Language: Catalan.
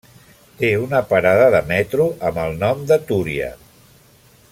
Té una parada de metro amb el nom de Túria.